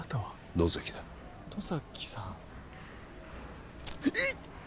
野崎だ野崎さんいっ！